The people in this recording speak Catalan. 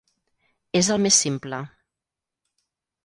És el més simple.